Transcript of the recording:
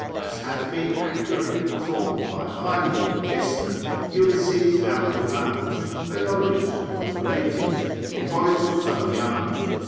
as hath been accurately performed by Aelian, Gesner, Ulysses Aldrovandus, Bellonius, Rondoletius, Hippolitus Salvianus, &c.